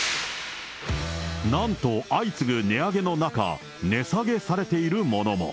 なんと、相次ぐ値上げの中、値下げされているものも。